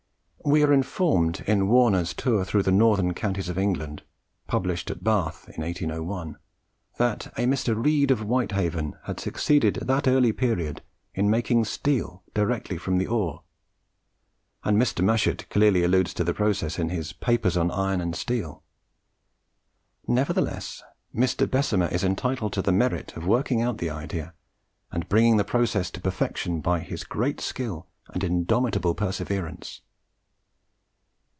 We are informed in Warner's Tour through the Northern. Counties of England, published at Bath in 1801, that a Mr. Reed of Whitehaven had succeeded at that early period in making steel direct from the ore; and Mr. Mushet clearly alludes to the process in his "Papers on Iron and Steel." Nevertheless, Mr. Bessemer is entitled to the merit of working out the idea, and bringing the process to perfection, by his great skill and indomitable perseverance.